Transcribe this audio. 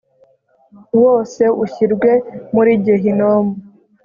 wose ushyirwe muri gehinomu